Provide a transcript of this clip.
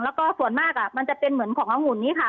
แล้วก็ส่วนมากมันจะเป็นเหมือนขององุ่นนี้ค่ะ